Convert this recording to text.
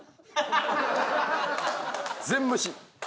全無視。